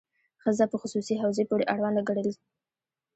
ښځه په خصوصي حوزې پورې اړونده ګڼل.